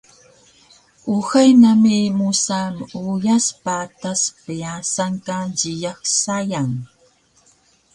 Uxay nami musa meuyas patas pyasan ka jiyax sayang